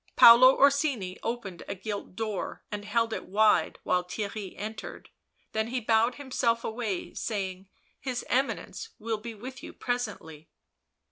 Paolo Orsini opened a gilt door and held it wide while Theirry entered, then he bowed himself away, saying :" His Eminence will be with you presently."